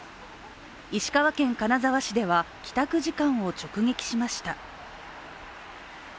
石川県金沢市では帰宅時間を直撃しました。